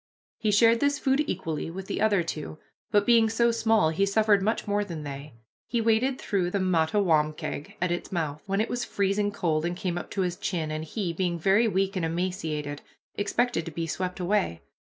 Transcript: He shared this food equally with the other two, but being so small he suffered much more than they. He waded through the Mattawamkeag at its mouth, when it was freezing cold and came up to his chin, and he, being very weak and emaciated, expected to be swept away.